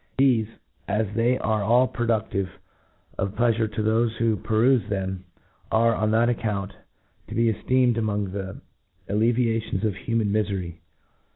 Thefe, as they are all produftive of pleafurc to thofe who per ufe them, are, on that account, to be eftecmcd among the alleviations of human mlfery.